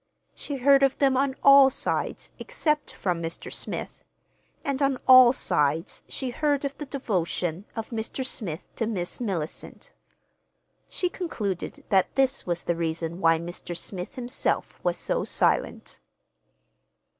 She heard of them on all sides, except from Mr. Smith—and on all sides she heard of the devotion of Mr. Smith to Miss Mellicent. She concluded that this was the reason why Mr. Smith himself was so silent.